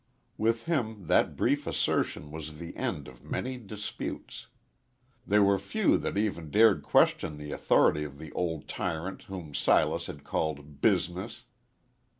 With him that brief assertion was the end of many disputes. They were few that even dared question the authority of the old tyrant whom Silas had called Business.